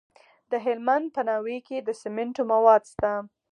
د هلمند په ناوې کې د سمنټو مواد شته.